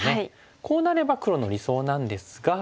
こうなれば黒の理想なんですが。